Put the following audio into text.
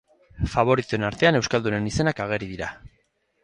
Faboritoen artean euskaldunen izenak ageri dira.